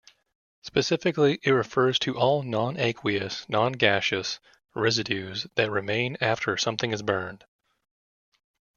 Specifically, it refers to all non-aqueous, non-gaseous residues that remain after something is burned.